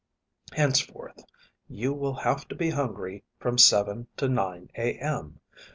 Henceforth you will have to be hungry from 7 to 9 A.M.